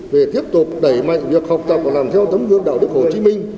về tiếp tục đẩy mạnh việc học tập và làm theo tấm gương đạo đức hồ chí minh